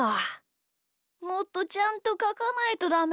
もっとちゃんとかかないとダメだ。